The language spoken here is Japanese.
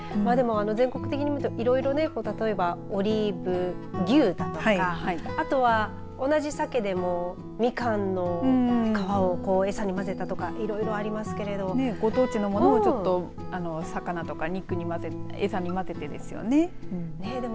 全国的に見ると、いろいろオリーブ牛だとかあとは、同じさけでもミカンの皮を餌に混ぜたとかいろいろありますけどご当地のものを魚とか肉に餌に混ぜて、ですよね。